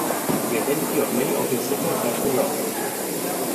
The identity of many of his sitters has been lost.